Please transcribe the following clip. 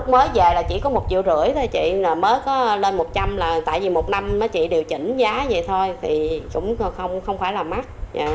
mới về là chỉ có một triệu rưỡi thôi chị là mới có lên một trăm linh là tại vì một năm mới chị điều chỉnh giá vậy thôi thì cũng không phải là mắt